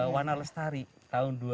wana lestari tahun dua ribu tiga belas